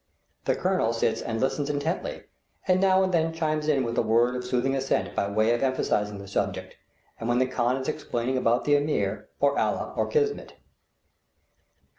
The colonel sits and listens intently, and now and then chimes in with a word of soothing assent by way of emphasizing the subject, when the khan is explaining about the Ameer, or Allah, or kismet.